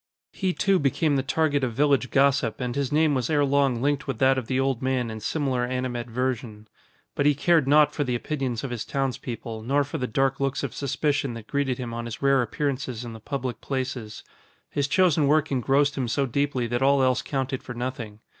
He too became the target of village gossip and his name was ere long linked with that of the old man in similar animadversion. But he cared naught for the opinions of his townspeople nor for the dark looks of suspicion that greeted him on his rare appearances in the public places. His chosen work engrossed him so deeply that all else counted for nothing.